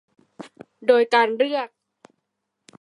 โดยการเลือก